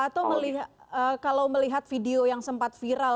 atau kalau melihat video yang sempat viral